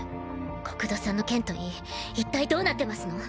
国土さんの件といい一体どうなってますの？